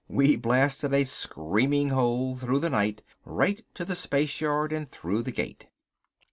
We blasted a screaming hole through the night right to the spaceyard and through the gate.